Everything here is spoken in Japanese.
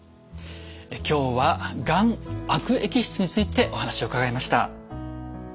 今日はがん悪液質についてお話を伺いました。